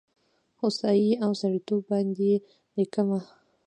هوسايي او سړیتوب باندې لیکمه